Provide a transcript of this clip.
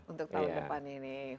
untuk tahun depan ini